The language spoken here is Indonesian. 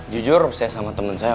jujur saya sama teman saya